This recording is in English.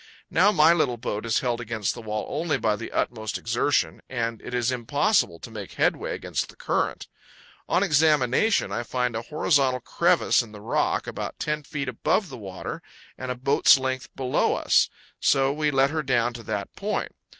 Now my little boat is held against the wall only by the utmost exertion, and it is impossible to make headway against the current. On examination, I find a horizontal crevice in the rock, about 10 feet above the water and a boat's length below us; so we let her down to that point.